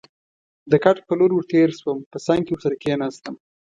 د کټ په لور ور تېر شوم، په څنګ کې ورسره کېناستم.